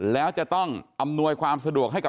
แล้วจะต้องอำนวยความสะดวกให้กับ